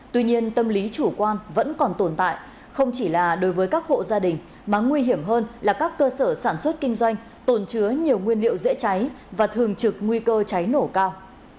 tuy nhiên tâm lý chủ quan vẫn còn tồn tại không chỉ là đối với các hộ gia đình mà nguy hiểm hơn là các cơ sở sản xuất kinh doanh tồn chứa nhiều nguyên liệu dễ cháy và thường trực nguy cơ cháy nổ cao